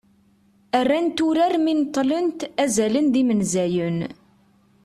rrant urar mi neṭṭlent "azalen d yimenzayen"